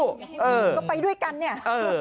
ก็ไปด้วยกันเนี่ย